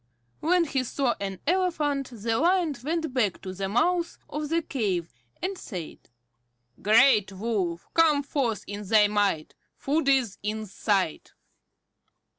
When he saw an elephant the Lion went back to the mouth of the cave, and said: "Great Wolf, come forth in thy might. Food is in sight."